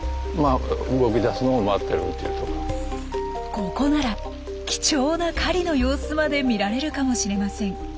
ここなら貴重な狩りの様子まで見られるかもしれません。